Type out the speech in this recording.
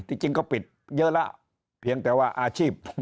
จริงก็ปิดเยอะแล้วเพียงแต่ว่าอาชีพ